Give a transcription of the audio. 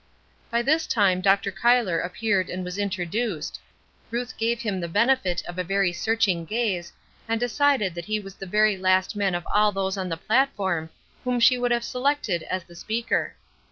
By this time Dr. Cuyler appeared and was introduced, Ruth gave him the benefit of a very searching gaze, and decided that he was the very last man of all those on the platform whom she would have selected as the speaker.